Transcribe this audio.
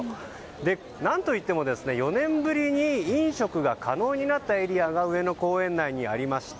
何といっても４年ぶりに飲食が可能になったエリアが上野公園内にありまして。